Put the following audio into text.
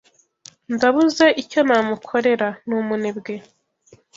Ndabuze icyo namukorera. Ni umunebwe